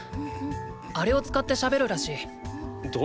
あれを使って喋るらしい。